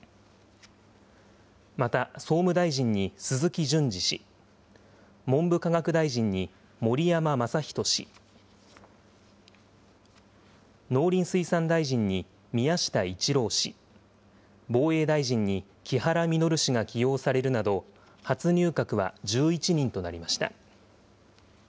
また、総務大臣に鈴木淳司氏、文部科学大臣に盛山正仁氏、農林水産大臣に宮下一郎氏、防衛大臣に木原稔氏が起用されるなど、初入閣は１１人となりました。